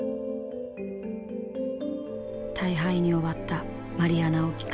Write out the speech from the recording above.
大敗に終わったマリアナ沖海戦。